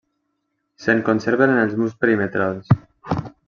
Se'n conserven els murs perimetrals.